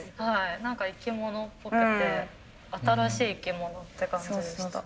何か生き物っぽくて新しい生き物って感じでした。